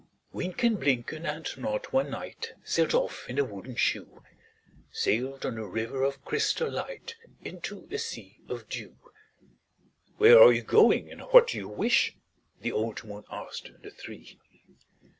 Wynken, Blynken, and Nod one night Sailed off in a wooden shoe,— Sailed on a river of crystal light Into a sea of dew. "Where are you going, and what do you wish?" The old moon asked the three.